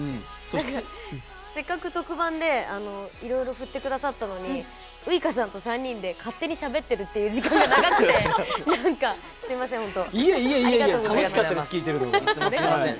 せっかく特番でいろいろ振ってくださったのに、ウイカさんと３人で勝手にしゃべっているという時間が長くて、なんか、すいません、本当。